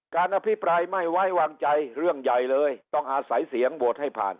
อภิปรายไม่ไว้วางใจเรื่องใหญ่เลยต้องอาศัยเสียงโหวตให้ผ่าน